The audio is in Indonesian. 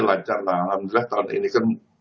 lancar alhamdulillah tahun ini kan